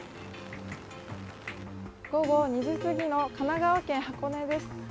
午後２時すぎの神奈川県箱根です